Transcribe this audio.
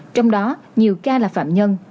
trong đó nhiều ca là phạm nhân